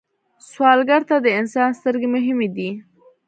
سوالګر ته د انسان سترګې مهمې دي